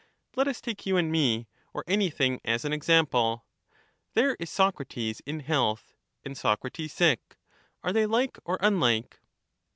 Let us take you and me, or anything as an example :— There is Socrates in health, and Socrates sick — Are they like or unlike